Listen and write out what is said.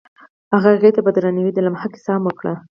هغه هغې ته په درناوي د لمحه کیسه هم وکړه.